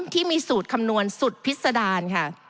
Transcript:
ที่มีสูตรคำนวณสุดพิษดารค่ะ